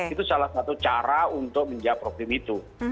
itu salah satu cara untuk menjawab problem itu